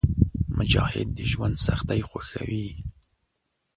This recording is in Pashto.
مجاهد د ژوند سختۍ خوښوي.